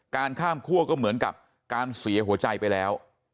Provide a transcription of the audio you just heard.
การข้ามคั่วก็เหมือนกับการเสียหัวใจไปแล้ว